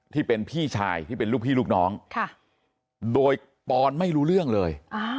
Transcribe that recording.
ที่เป็นพี่ชายที่เป็นลูกพี่ลูกน้องโดยปอนไม่รู้เรื่องเลย